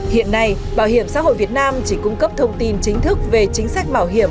hiện nay bảo hiểm xã hội việt nam chỉ cung cấp thông tin chính thức về chính sách bảo hiểm